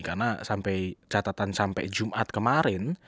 karena catatan sampai jumat kemarin